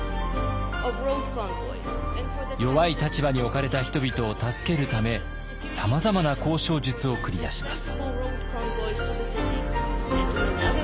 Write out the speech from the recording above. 弱い立場に置かれた人々を助けるためさまざまな交渉術を繰り出します。